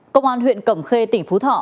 công an huyện cẩm khê tỉnh phú thọ